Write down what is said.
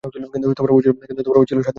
কিন্তু ও ছিল স্বাধীনচেতা।